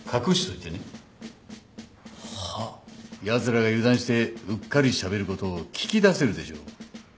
やつらが油断してうっかりしゃべることを聞き出せるでしょ。